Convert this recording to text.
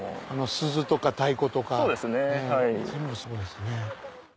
鈴とか太鼓とか全部そうですね。